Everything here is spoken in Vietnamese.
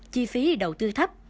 chi phí đầu tư thấp